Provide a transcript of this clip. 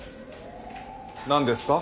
何ですか？